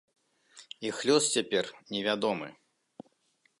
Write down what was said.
Іх лёс цяпер невядомы.